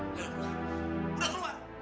udah keluar udah keluar